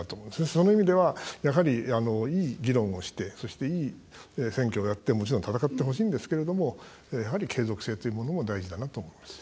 その意味では、やはりいい議論をしてそして、いい選挙をやってもちろん戦ってほしいんですがやはり、継続性というものも大事だなと思います。